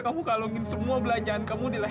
kamu kalungin semua belanjaan kamu di leher aku ayah